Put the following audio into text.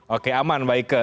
oke aman baike